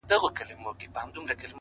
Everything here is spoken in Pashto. د ښايستونو خدایه اور ته به مي سم نيسې-